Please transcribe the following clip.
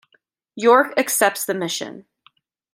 Yorke accepts the mission.